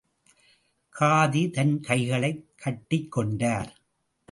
காதி தன் கைகளைக் கட்டிக் கொண்டார்.